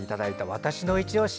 わたしのいちオシ」